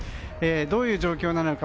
どういう状況なのか。